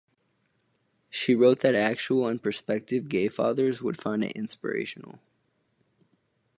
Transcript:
She wrote that actual and prospective gay fathers would find it inspirational.